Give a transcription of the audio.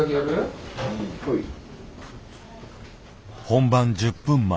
本番１０分前。